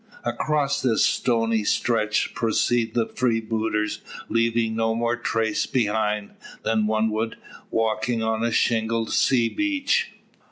Across this stony stretch proceed the freebooters, leaving no more trace behind, than one would walking on a shingled sea beach.